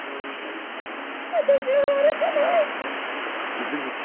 私は悪くない。